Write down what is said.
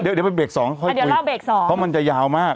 เดี๋ยวเล่าเบรกสองเพราะมันจะยาวมาก